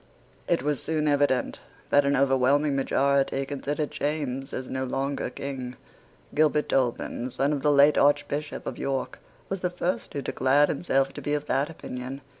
It was soon evident that an overwhelming majority considered James as no longer King. Gilbert Dolben, son of the late Archbishop of York, was the first who declared himself to be of that opinion.